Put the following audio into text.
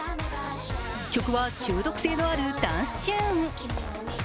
曲は中毒性のあるダンスチューン。